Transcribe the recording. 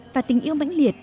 và tình yêu mãnh liệt